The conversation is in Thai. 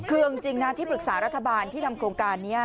คือเอาจริงนะที่ปรึกษารัฐบาลที่ทำโครงการนี้